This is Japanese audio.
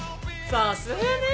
さすがねえ。